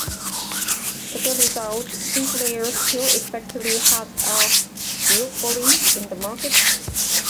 As a result, Sinclair still effectively has a duopoly in the market.